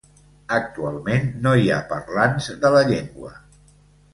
Actualment no hi ha parlants de la llengua.